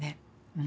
うん。